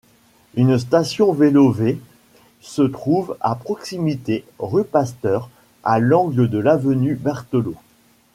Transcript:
Une station Vélo'v se trouve à proximité, rue Pasteur, à l'angle de l'avenue Berthelot.